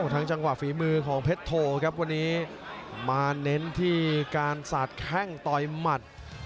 จังหวะฝีมือของเพชรโทครับวันนี้มาเน้นที่การสาดแข้งต่อยหมัด